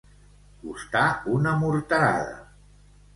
Costar una morterada.